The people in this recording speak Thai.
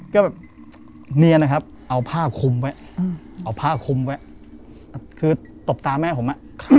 ก็แบบเนียนนะครับเอาผ้าคุมไว้เอาผ้าคุมไว้คือตบตาแม่ผมอ่ะ